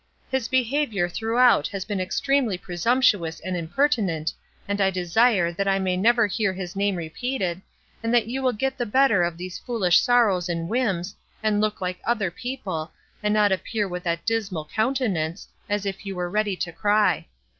His behaviour throughout has been extremely presumptuous and impertinent, and I desire, that I may never hear his name repeated, and that you will get the better of those foolish sorrows and whims, and look like other people, and not appear with that dismal countenance, as if you were ready to cry.